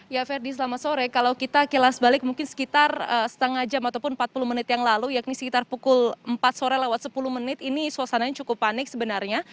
ya ferdi selamat sore kalau kita kilas balik mungkin sekitar setengah jam ataupun empat puluh menit yang lalu yakni sekitar pukul empat sore lewat sepuluh menit ini suasananya cukup panik sebenarnya